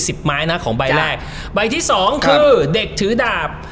ไม้นะของใบแรกใบที่สองคือเด็กถือดาบ